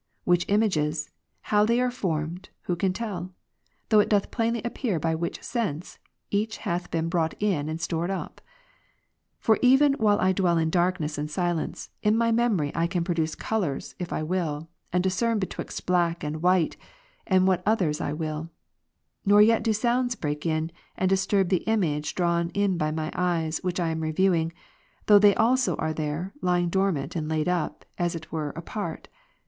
Which images, how they are formed, who can tell, though it doth plainly appear by which sense each hath been brought in and stored up ? For even while I dwell in darkness and silence, in my memory I can produce colours, if I will, and discern betwixt black and white, and what others I will : nor yet do sounds break in, and disturb the image drawn in by my eyes, which I am reviewing, though they also are there, lying dormant, and laid up, as it were, apart.